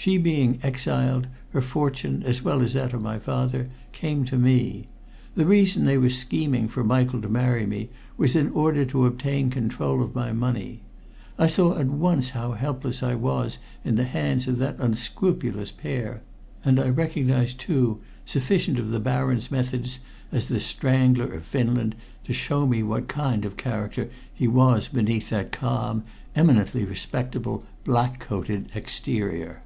She being exiled, her fortune, as well as that of my father, came to me. The reason they were scheming for Michael to marry me was in order to obtain control of my money. I saw at once how helpless I was in the hands of that unscrupulous pair, and I recognized, too, sufficient of the Baron's methods as 'The Strangler of Finland,' to show me what kind of character he was beneath that calm, eminently respectable black coated exterior.